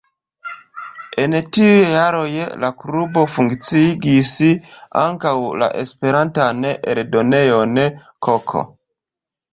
En tiuj jaroj la klubo funkciigis ankaŭ la Esperantan eldonejon “Koko”.